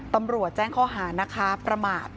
ตำรวจแจ้งข้อหานะคะประมาท